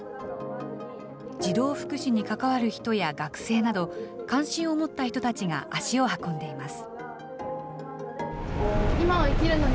児童福祉に関わる人や学生など、関心を持った人たちが足を運んでいます。